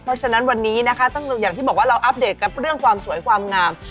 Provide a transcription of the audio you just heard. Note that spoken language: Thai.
เพราะฉะนั้นวันนี้นะคะต้องอย่างที่บอกว่าเราอัปเดตกับเรื่องความสวยความงาม